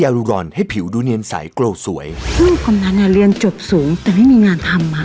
อย่างนี้ไม่ต้องส่งลูกเรียนก็ได้เนอะ